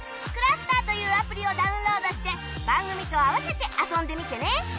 ｃｌｕｓｔｅｒ というアプリをダウンロードして番組と合わせて遊んでみてね！